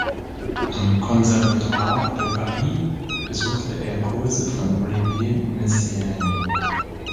Am Conservatoire de Paris besuchte er Kurse von Olivier Messiaen.